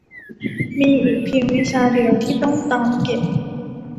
มีอีกเพียงวิชาเดียวที่ต้องตามเก็บ